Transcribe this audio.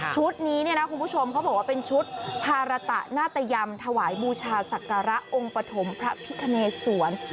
นี้เนี่ยนะคุณผู้ชมเขาบอกว่าเป็นชุดภาระตะนาตยำถวายบูชาศักระองค์ปฐมพระพิคเนสวน